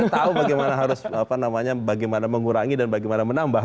tahu bagaimana harus apa namanya bagaimana mengurangi dan bagaimana menambah